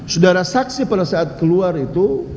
sudara saksi pada saat keluar itu